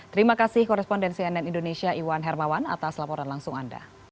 terima kasih korespondensi nn indonesia iwan hermawan atas laporan langsung anda